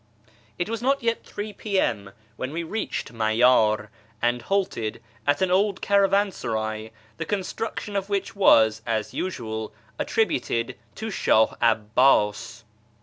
It was not yet 3 I'.M. when we reached May; ir, and halted at an old caravansaray, the construction of which was, as usual, attributed to Shah 'Abbi'is.